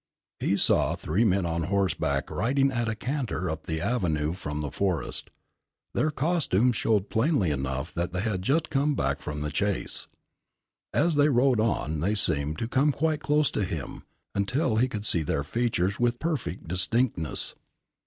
He saw three men on horseback riding at a canter up the avenue from the forest. Their costumes showed plainly enough that they had just come back from the chase. As they rode on they seemed to come quite close to him, until he could see their features with perfect distinctness.